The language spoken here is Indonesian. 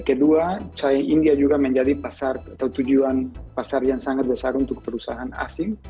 kedua india juga menjadi pasar atau tujuan pasar yang sangat besar untuk perusahaan asing